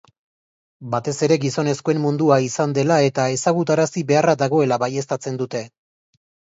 Batez ere gizonezkoen mundua izan dela eta ezagutarazi beharra dagoela baieztatzen dute.